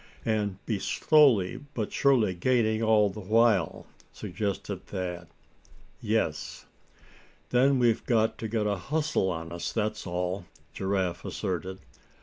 "And be slowly but surely gaining, all the while?" suggested Thad. "Yes." "Then we've got to get a hustle on us, that's all," Giraffe asserted.